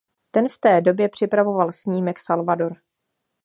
Ten v té době připravoval snímek Salvador.